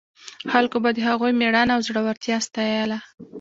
خلکو به د هغوی مېړانه او زړورتیا ستایله.